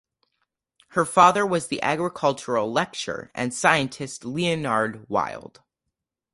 Her father was the agricultural lecturer and scientist Leonard Wild.